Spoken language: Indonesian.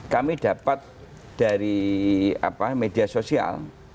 kami dapat dari media sosial